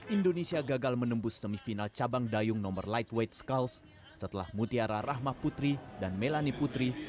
indonesia gagal menembus semifinal cabang dayung nomor lightweight scause setelah mutiara rahma putri dan melani putri